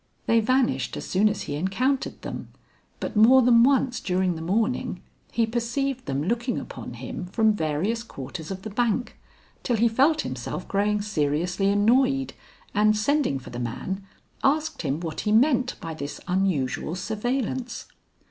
They vanished as soon as he encountered them, but more than once during the morning he perceived them looking upon him from various quarters of the bank, till he felt himself growing seriously annoyed, and sending for the man, asked him what he meant by this unusual surveillance.